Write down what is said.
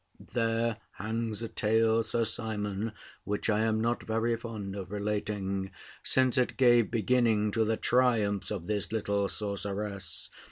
There hangs a tale, Sir Simon, which I am not very fond of relating, since it gave beginning to the triumphs of this little sorceress.